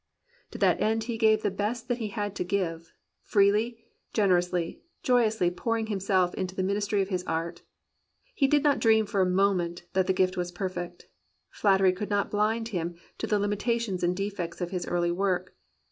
To that end he gave the best that he had to give, freely, generously, joyously pouring himself into the ministry of his art. He did not dream for a moment that the gift was perfect. Flattery could not blind him to the limitations and defects of his early work.